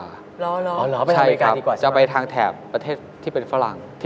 เหรอใช่ป่ะใช่ครับจะออกไปทางแถบประเทศที่เป็นฝรั่ง